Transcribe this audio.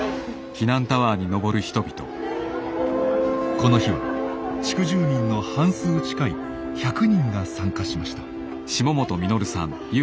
この日は地区住民の半数近い１００人が参加しました。